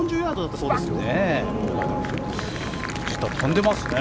そうですね。